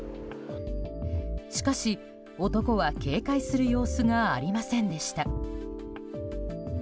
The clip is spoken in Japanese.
しかし、男は警戒する様子がありませんでした。